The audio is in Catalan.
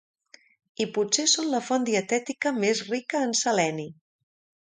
I potser són la font dietètica més rica en seleni.